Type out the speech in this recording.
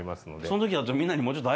その時はみんなに。